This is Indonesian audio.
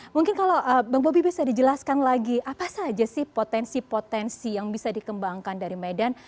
mungkin kalau bang bobi bisa dijelaskan lagi apa saja sih potensi potensi yang bisa dikembangkan dari medan